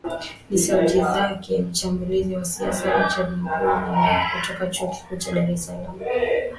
ni sauti yake mchambuzi wa siasa richard mbunda kutoka chuo kikuu cha dar salaam